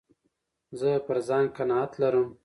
زه پر ځان قناعت لرم.